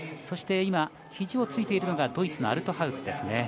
そして、ひじをついているのがドイツのアルトハウス。